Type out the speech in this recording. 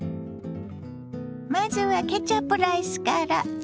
まずはケチャップライスから。